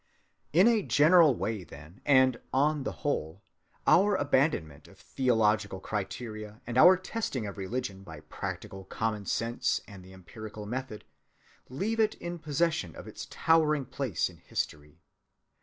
In a general way, then, and "on the whole,"(222) our abandonment of theological criteria, and our testing of religion by practical common sense and the empirical method, leave it in possession of its towering place in history.